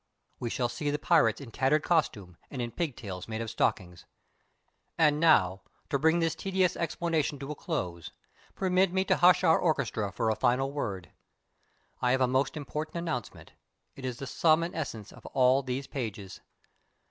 We shall see the pirates in tattered costume and in pigtails made of stockings. And now to bring this tedious explanation to a close, permit me to hush our orchestra for a final word. I have a most important announcement. It is the sum and essence of all these pages.